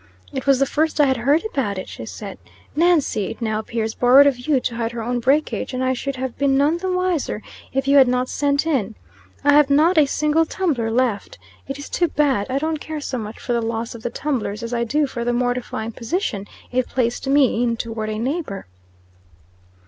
"'It was the first I had heard about it,' she said. 'Nancy, it now appears, borrowed of you to hide her own breakage, and I should have been none the wiser, if you had not sent in. I have not a single tumbler left. It is too bad! I don't care so much for the loss of the tumblers, as I do for the mortifying position it placed me in toward a neighbor.'"